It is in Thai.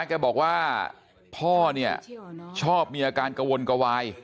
แกบอกว่าพ่อเนี่ยชอบมีอาการกระวนกระวาย